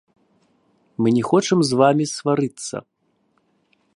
Мы не хочам з вамі сварыцца.